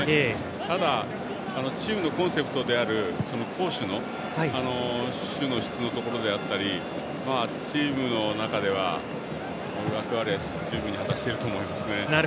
ただ、チームのコンセプトである攻守の守の質のところであったりチームの中では役割を果たしていると思います。